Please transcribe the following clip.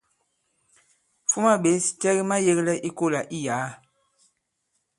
Fuma ɓěs cɛ ki mayēglɛ i kolà i yàa.